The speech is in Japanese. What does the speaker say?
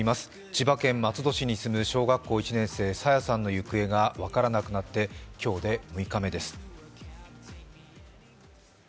千葉県松戸市に住む小学校１年生、朝芽さんの行方が分からなくなって今日で６日目です。